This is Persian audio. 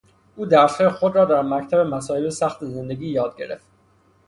او درسهای خود را در مکتب مصایب سخت زندگی یاد گرفت.